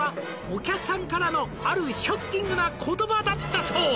「お客さんからのあるショッキングな言葉だったそう」